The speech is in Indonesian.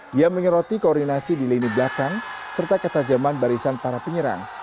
dia menyeroti koordinasi di lini belakang serta ketajaman barisan para penyerang